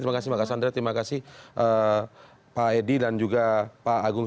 terima kasih mbak cassandra terima kasih pak edi dan juga pak agung